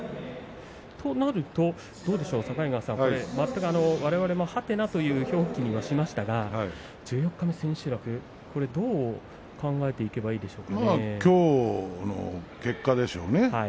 となるとわれわれも、？という表記にはしましたが十四日目、千秋楽きょうの結果でしょうね。